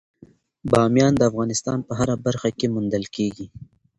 بامیان د افغانستان په هره برخه کې موندل کېږي.